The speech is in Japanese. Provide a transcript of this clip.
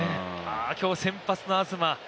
今日、先発の東。